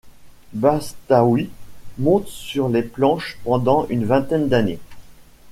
Bastaoui monte sur les planches pendant une vingtaine d'années.